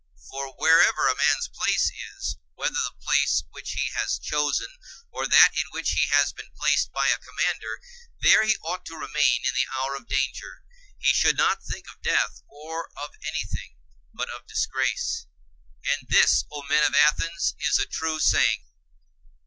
For wherever a man's place is, whether the place which he has chosen or that in which he has been placed by a commander, there he ought to remain in the hour of danger; he should not think of death or of anything, but of disgrace. And this, O men of Athens, is a true saying.